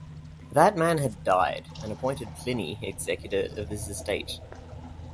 That man had died and appointed Pliny executor of his estate.